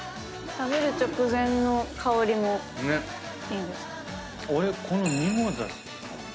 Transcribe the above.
食べる直前の香りもいいですね。